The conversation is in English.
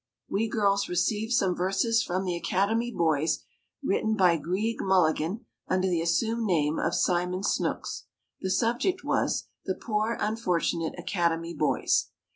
We girls received some verses from the Academy boys, written by Greig Mulligan, under the assumed name of Simon Snooks. The subject was, "The Poor Unfortunate Academy Boys."